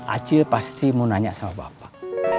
acil pasti mau nanya sama bapak